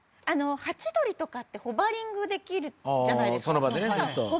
ハチドリとかってホバリングできるじゃないですか